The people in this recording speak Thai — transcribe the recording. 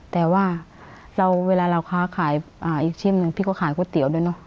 แต่ว่าเวลาเราค้าขายอีกชิ้นหนึ่งพี่ก็ขายก๋วยเตี๋ยวด้วยเนอะ